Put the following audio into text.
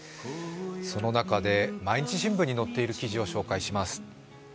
その中で「毎日新聞」に載っている記事をご紹介します。